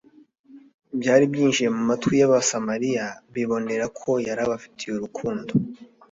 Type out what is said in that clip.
byari byinjiye mu matwi y'Abasamaliya. Bibonera ko yari abafitiye urukundo,